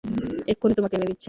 এক্ষুনি তোমাকে এনে দিচ্ছি।